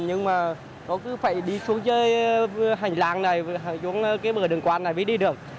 nhưng mà nó cứ phải đi xuống chơi hành lang này xuống cái bờ đường quan này mới đi được